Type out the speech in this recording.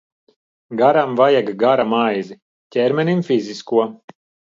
Garam vajag Gara maizi, ķermenim – fizisko.